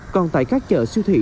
còn tại các chợ siêu thị